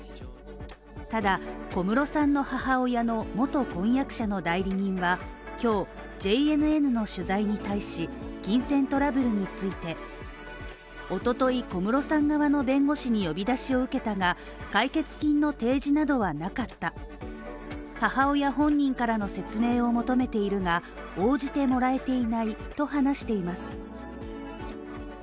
ただ、小室さんの母親の元婚約者の代理人は今日ＪＮＮの取材に対し金銭トラブルについておととい小室さん側の弁護士に呼び出しを受けたが、解決金の提示などはなかった、母親本人からの説明を求めているが応じてもらえていないと話しています。